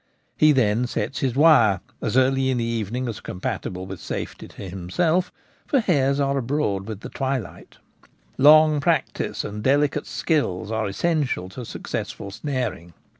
He then sets his wire, as early in the evening as compatible with safety to himself, for hares are abroad with the twilight Long practice and delicate skill are essential to successful snaring.